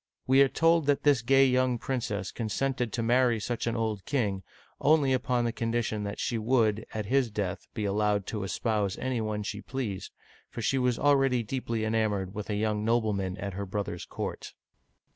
We are told that this gay young princess consented to marry such an old king, only upon condition that she would, at his death, be allowed to espouse any one she pleased, for she was already deeply enamored with a young nobleman at her brother's court.